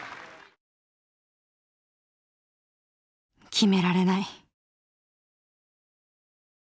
決められない。